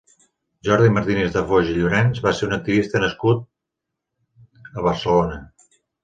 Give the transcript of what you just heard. Jordi Martínez de Foix i Llorenç va ser un activista nascut a Barcelona.